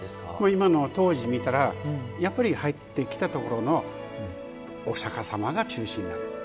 今の東寺を見たらやっぱり入ってきたところのお釈迦様が中心なんです。